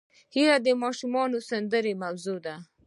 هیلۍ د ماشومانو د سندرو موضوع ده